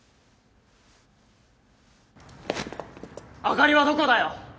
あかりはどこだよ！